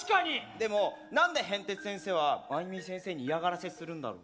でも何でへんてつ先生はマイミー先生に嫌がらせするんだろう？